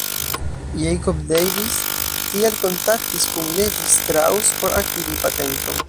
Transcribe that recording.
Jacob Davis tial kontaktis kun Levi Strauss por akiri patenton.